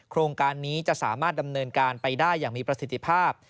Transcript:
โครงการนี้จะสามารถดำเนินการไปได้อย่างมีประสิทธิภาพ